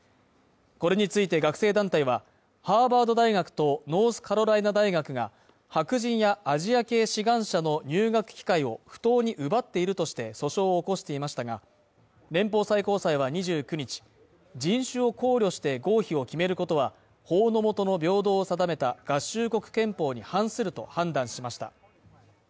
これについて学生団体は、ハーバード大学とノースカロライナ大学が白人やアジア系志願者の入学機会を不当に奪っているとして訴訟を起こしていましたが、連邦最高裁は２９日、人種を考慮して合否を決めることは、法のもとの平等を定めた合衆国憲法に反すると判断しました。